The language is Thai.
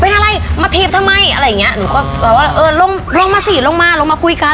เป็นอะไรมาถีบทำไมอะไรอย่างเงี้ยหนูก็แบบว่าเออลงลงมาสิลงมาลงมาคุยกัน